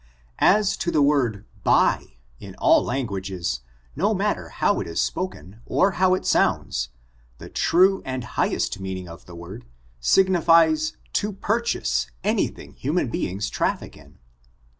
As to the word buy, in all lan guages, no matter how it is spoken, or how it sounds, the true and highest meaning of the word signifies to purchase any thing human beings traffic in.